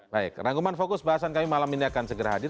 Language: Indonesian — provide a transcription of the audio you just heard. baik rangkuman fokus bahasan kami malam ini akan segera hadir